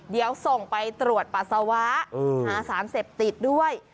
เดี๋ยวส่งไปตรวจปัสสาวะหาสารเสพติดด้วย